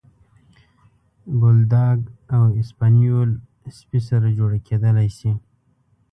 بولداګ او اسپانیول سپي سره جوړه کېدلی شي.